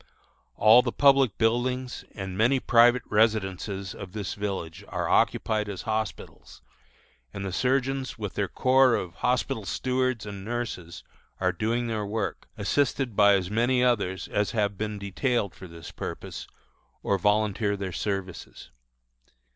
All the public buildings and many private residences of this village are occupied as hospitals, and the surgeons with their corps of hospital stewards and nurses are doing their work, assisted by as many others as have been detailed for this purpose, or volunteer their services.